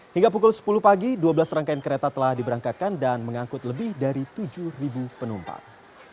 hingga pukul sepuluh pagi dua belas rangkaian kereta telah diberangkatkan dan mengangkut lebih dari tujuh penumpang